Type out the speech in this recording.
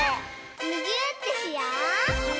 むぎゅーってしよう！